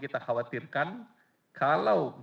kita khawatirkan kalau